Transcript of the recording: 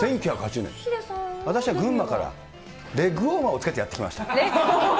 私は群馬から、レッグウォーマーを着けてやって来ました。